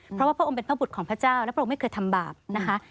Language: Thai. เพราะว่าพระองค์เป็นพระบุตรของพระเจ้าและพระองค์ไม่เคยทำบาปนะคะ